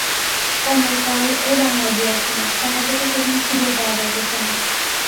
কমল কাল ও বাংলায় গিয়াছিল, তাহাকে তো সেখানে খুঁজিয়া পাওয়া যাইতেছে না।